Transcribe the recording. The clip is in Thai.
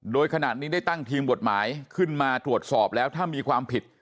โดยขนาดนี้ได้ตั้งทีมกฎหมายขึ้นมาตรวจสอบแล้วถ้ามีความผิด